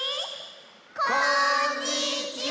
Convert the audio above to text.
こんにちは！